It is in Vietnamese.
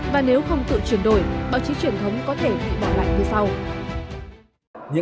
và nếu không tự chuyển đổi báo chí truyền thống có thể bị bỏ lại như sau